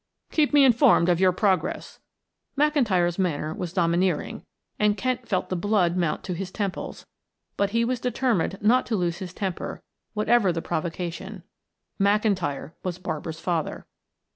"Keep me informed of your progress," McIntyre's manner was domineering and Kent felt the blood mount to his temples, but he was determined not to lose his temper whatever the provocation; McIntyre was Barbara's father.